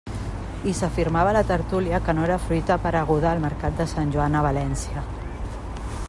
I s'afirmava a la tertúlia que no era fruita apareguda al mercat de Sant Joan a València.